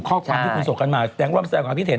ข้อความที่คุณส่งกันมาแสดงร่วมแสดงของพิเศษ